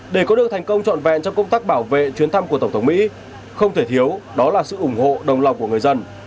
để có được thành công trọn vẹn trong công tác bảo vệ chuyến thăm của tổng thống mỹ không thể thiếu đó là sự ủng hộ đồng lòng của người dân